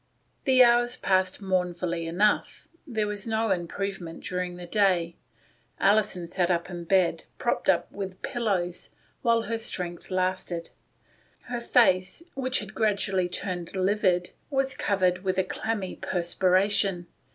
The hours passed mournfully enough. There was no improvement during the day. Alison sat up in bed propped up with pillows, while her strength lasted. Her face, which had gradually turned livid, was covered with a clammy perspiration.